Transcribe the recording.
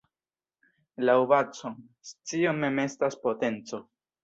Laŭ Bacon, "scio mem estas potenco".